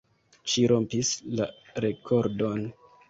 Ŝi rompis la rekordon.